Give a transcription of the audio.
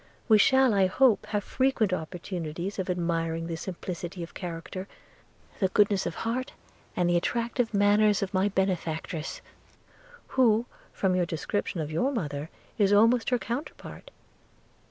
We shall, I hope have frequent opportunities of admiring the simplicity of character, the goodness of heart, and the attractive manners of my benefactress, who, from your description of your mother, is almost her counterpart.